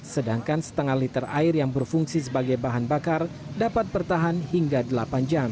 sedangkan setengah liter air yang berfungsi sebagai bahan bakar dapat bertahan hingga delapan jam